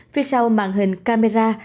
phía sau màn hình camera